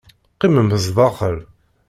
Qqimem zdaxel.